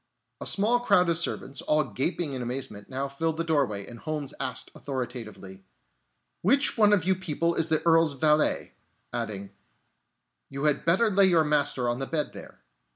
A small crowd of servants, all gaping in amazement, now filled the doorway, and Holmes asked authoritatively: "Which one of you people is the Earl's valet?" Adding: "You had better lay your master on the bed there."